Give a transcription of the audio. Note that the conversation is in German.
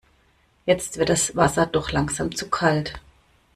Jetzt wird das Wasser doch langsam zu kalt.